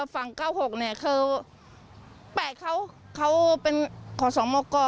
ฝั่ง๙๖เนี่ยคือแปลกเขาเป็นของสองโมกร